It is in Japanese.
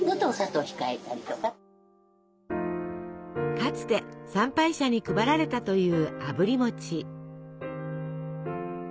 かつて参拝者に配られたというあぶり餅。